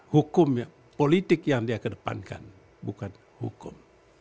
hukum politik yang dia kedepankan bukan hukum